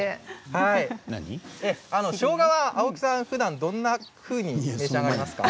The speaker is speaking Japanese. しょうがは青木さん、ふだんどんなふうに食べますか。